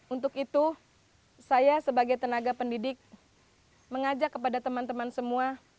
untuk itu saya sebagai tenaga pendidik mengajak kepada teman teman semua